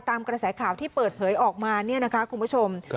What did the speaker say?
กระแสข่าวที่เปิดเผยออกมาเนี่ยนะคะคุณผู้ชม